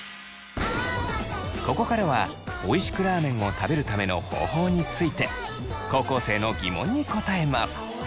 ここからはおいしくラーメンを食べるための方法について高校生の疑問に答えます。